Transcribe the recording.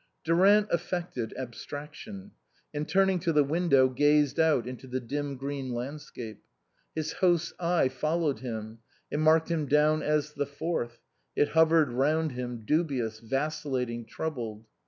Durant affected abstraction, and turning to the window gazed out into the dim green landscape. His host's eye followed him ; it marked him down as the fourth ; it hovered round him, dubious, vacillating, troubled.